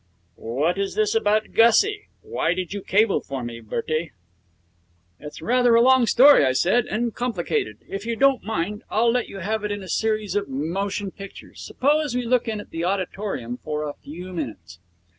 'What is this about Gussie? Why did you cable for me, Bertie?' 'It's rather a long story,' I said, 'and complicated. If you don't mind, I'll let you have it in a series of motion pictures. Suppose we look in at the Auditorium for a few minutes.'